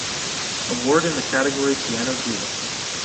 award in the category piano duo.